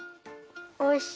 おいしい。